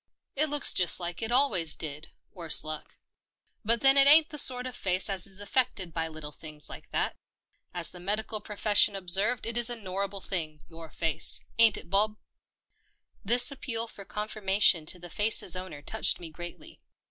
" It looks just like it al wa}^s did, worse luck. But then it ain't the sort of face as is affected by little things like that. As the medical profession ob served it is a norrible thing — your face. Ain't it, Bob?" This appeal for confirmation to the face's owner touched me greatly.